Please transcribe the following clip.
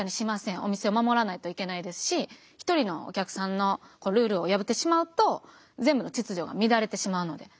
お店を守らないといけないですし一人のお客さんのルールを破ってしまうと全部の秩序が乱れてしまうので。